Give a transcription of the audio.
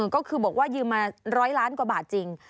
ก็คือบอกว่ายืมมา๑๐๐ล้านกว่าบาทจริง